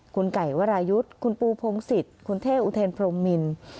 คุณไก่วรายุทธ์คุณปูพงศ์สิทธิ์คุณเทอุเทรนพรมมินทร์